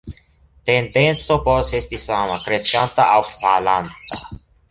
Tendenco povas esti sama, kreskanta aŭ falanta.